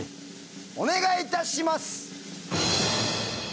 お願いいたします！